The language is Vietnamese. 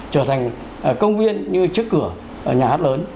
trở thành công viên như trước cửa nhà hát lớn